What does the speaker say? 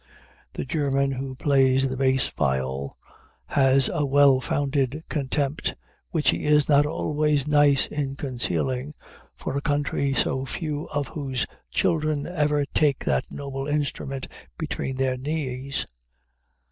The German who plays the bass viol has a well founded contempt, which he is not always nice in concealing, for a country so few of whose children ever take that noble instrument between their knees.